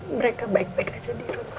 mereka baik baik aja di rumah